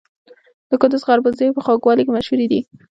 د کندز خربوزې په خوږوالي کې مشهورې دي.